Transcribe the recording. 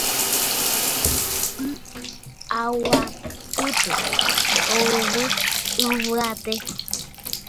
py'aguapýpe oveve yvate